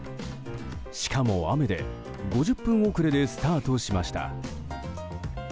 しかも雨で５０分遅れでスタートしました。